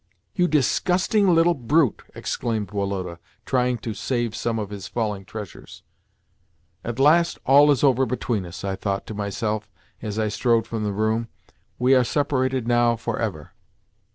"You disgusting little brute!" exclaimed Woloda, trying to save some of his falling treasures. "At last all is over between us," I thought to myself as I strode from the room. "We are separated now for ever."